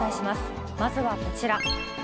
まずはこちら。